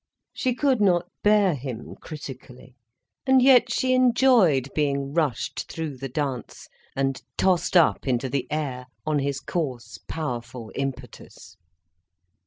She could not bear him, critically, and yet she enjoyed being rushed through the dance, and tossed up into the air, on his coarse, powerful impetus.